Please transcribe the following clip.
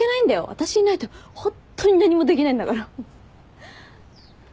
私いないとホントに何もできないんだから。